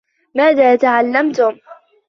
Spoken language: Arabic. ماذا تعلّمتم ؟